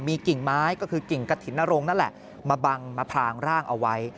มีกิ่งไม้ก็คือกิ่งกระถิ่นนรงค์นั่นแหละมาบังมาพรางร่างเอาไว้